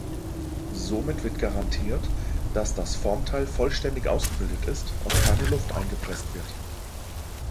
Somit wird garantiert, dass das Formteil vollständig ausgebildet ist und keine Luft eingepresst wird.